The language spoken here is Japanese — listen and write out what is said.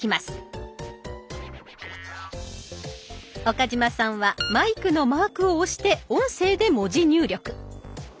岡嶋さんはマイクのマークを押して音声で文字入力。